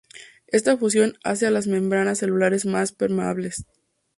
Esta fusión hace a las membranas celulares más permeables.